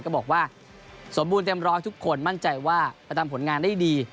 ก็บอกว่าสมบูรณ์เต็มร้อยทุกคนมั่นใจว่าจะทำผลงานได้ดี